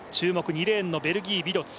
２レーンのベルギー、ビドツ。